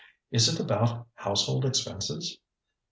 Is it about household expenses?